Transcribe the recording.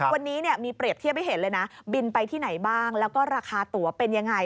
วันนี้มีเปรียบเทียบให้เห็นเลยนะบินไปที่ไหนบ้างแล้วก็ราคาตัวเป็นยังไง